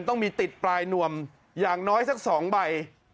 ต้องมีติดปลายนวมอย่างน้อยสัก๒ใบ